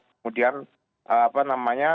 kemudian apa namanya